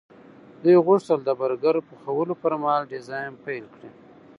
دوی غوښتل د برګر پخولو پرمهال ډیزاین پیل کړي